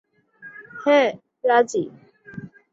হ্যাঁ - রাজি?